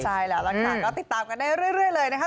ใช่แล้วล่ะค่ะก็ติดตามกันได้เรื่อยเลยนะคะ